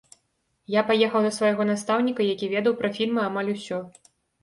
Я паехаў да свайго настаўніка, які ведаў пра фільмы амаль усё.